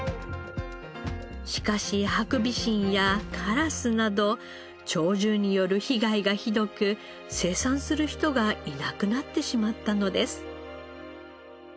しかしハクビシンやカラスなど鳥獣による被害がひどく生産する人がいなくなってしまったのです。